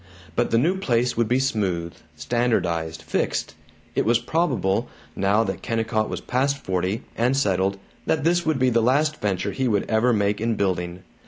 But the new place would be smooth, standardized, fixed. It was probable, now that Kennicott was past forty, and settled, that this would be the last venture he would ever make in building.